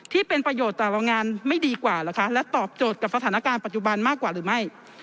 ที่เป็นประโยชน์ต่อโรงงานไม่ดีกว่าเหรอคะและตอบโจทย์กับสถานการณ์ปัจจุบันมากกว่าหรือไม่